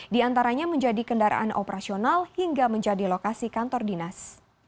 di antaranya menjadi kendaraan operasional hingga menjadi lokasi kantor dinas